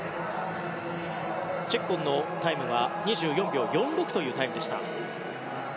チェッコンのタイムは２４秒４６というタイムでした。